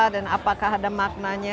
dan apakah ada maknanya